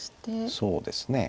そうですね。